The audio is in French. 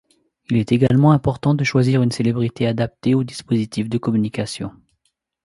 Il est également important de choisir une célébrité adaptée au dispositif de communication.